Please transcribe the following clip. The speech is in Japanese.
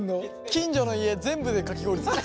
近所の家全部でかき氷作る。